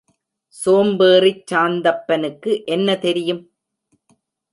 சோம்பேறிச் சாந்தப்பனுக்கு என்ன தெரியும்?